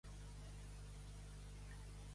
A València tinc un piano i ací no el puc tocar.